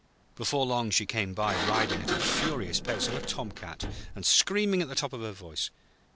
Before long she came by riding at a furious pace on a tom cat, and screaming at the top of her voice.